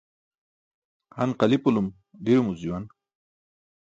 Han qali̇pulum ḍiromuc juwan.